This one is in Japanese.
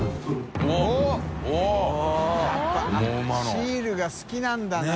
シールが好きなんだな。